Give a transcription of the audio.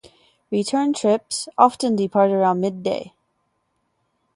Return trips often depart around mid-day.